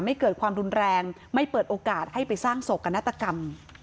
ไม่เกิดความรุนแรงไม่เปิดโอกาสให้ไปสร้างโศกนาฏกรรม